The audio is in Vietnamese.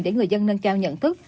để người dân nâng cao nhận thức